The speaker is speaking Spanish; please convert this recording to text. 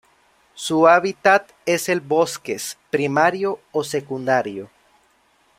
Su hábitat es el bosques, primario o secundario.